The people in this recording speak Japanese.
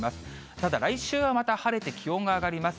ただ来週はまた晴れて気温が上がります。